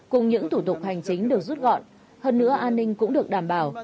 cùng những thủ tục hành chính được rút gọn hơn nữa an ninh cũng được đảm bảo